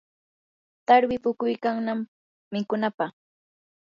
tarwi puquykannam mikunapaq.